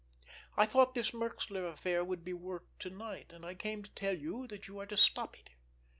I thought this Merxler affair would be worked to night, and I came to tell you that you are to stop it.